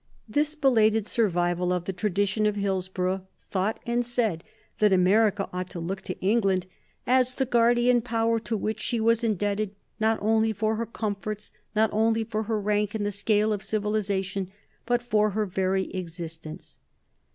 This belated survival of the tradition of Hillsborough thought and said that America ought to look to England "as the guardian power to which she was indebted not only for her comforts, not only for her rank in the scale of civilization, but for her very existence."